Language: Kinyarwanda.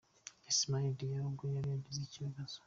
Ismaila Diarra ubwo yari agize ikibazo.